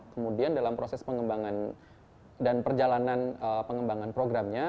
kemudian dalam proses pengembangan dan perjalanan pengembangan programnya